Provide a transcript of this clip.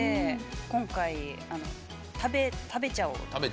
今回、食べちゃおうと。